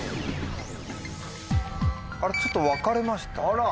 あらちょっと分かれましたね。